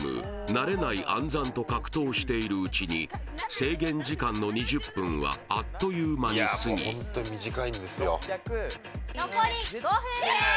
慣れない暗算と格闘しているうちに制限時間の２０分はあっという間にすぎ残り５分です